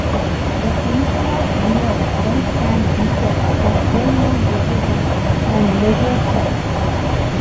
The peninsula's near white sand beaches are well-known vacation and leisure sites.